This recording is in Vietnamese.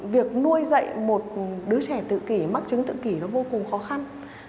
việc nuôi dạy một đứa trẻ tự kỷ mắc chứng tự kỷ vô cùng khó khăn